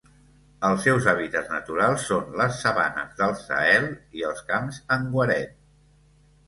Els seus hàbitats naturals són les sabanes del Sahel i els camps en guaret.